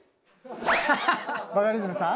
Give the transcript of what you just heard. バカリズムさん